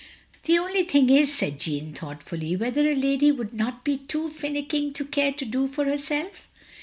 " "The only thing is," said Jeanne, thoughtfully, "whether a lady wotdd not be too finicking to care to do for herself?"